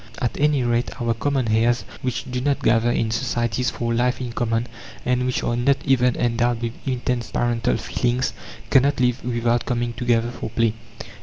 At any rate, our common hares, which do not gather in societies for life in common, and which are not even endowed with intense parental feelings, cannot live without coming together for play.